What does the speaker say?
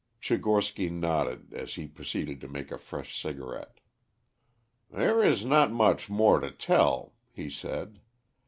Tchigorsky nodded as he proceeded to make a fresh cigarette. "There is not much more to tell," he said.